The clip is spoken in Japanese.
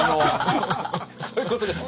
そういうことですか。